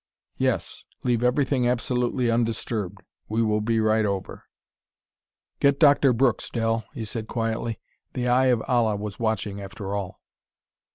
Yes!... Leave everything absolutely undisturbed. We will be right over." "Get Doctor Brooks, Del," he said quietly; "the Eye of Allah was watching after all."